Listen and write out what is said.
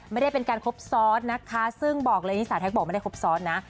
ไม่ได้เป็นการครบซ้อนนะคะซึ่งบอกเลยนี่สาวแท็กบอกไม่ได้ครบซ้อนนะ